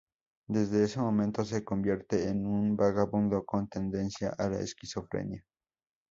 Desde ese momento se convierte en un vagabundo con tendencia a la esquizofrenia.